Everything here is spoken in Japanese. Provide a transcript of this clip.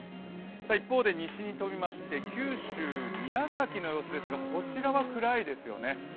一方で西に飛びまして、九州・宮崎の様子ですがこちらは暗いですよね。